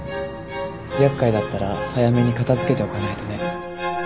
厄介だったら早めに片付けておかないとね。